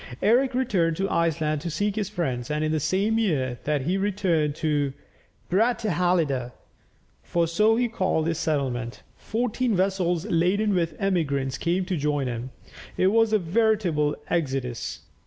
Eric returned to Iceland to seek his friends, and in the same year that he returned to Brattahalida (for so he called his settlement), fourteen vessels laden with emigrants came to join him. It was a veritable exodus.